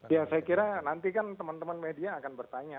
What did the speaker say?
ya saya kira nanti kan teman teman media akan bertanya